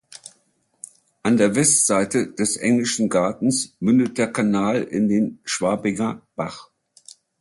An der Westseite des Englischen Gartens mündet der Kanal in den Schwabinger Bach.